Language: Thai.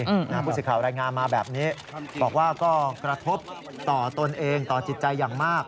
ผู้สื่อข่าวรายงานมาแบบนี้บอกว่าก็กระทบต่อตนเองต่อจิตใจอย่างมาก